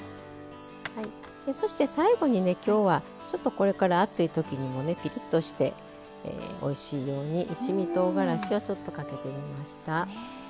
そして、最後に、きょうはこれから暑いときにもピリッとして、おいしいように一味とうがらしをかけてみました。